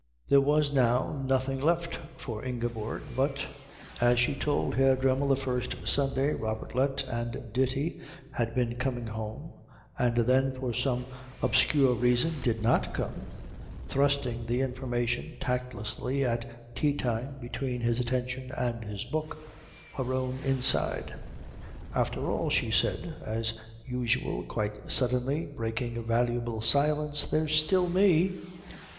There was now nothing left for Ingeborg but, as she told Herr Dremmel the first Sunday Robertlet and Ditti had been coming home and then for some obscure reason did not come, thrusting the information tactlessly at tea time between his attention and his book, her own inside. "After all," she said, as usual quite suddenly, breaking a valuable silence, "there's still me."